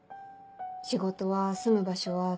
「仕事は住む場所は」